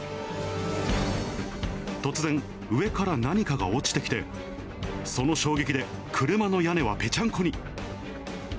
突然、上から何かが落ちてきて、その衝撃で車の屋根はぺちゃんこに。